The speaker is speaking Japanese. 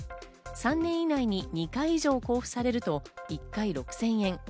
３年以内に２回以上交付されると１回６０００円。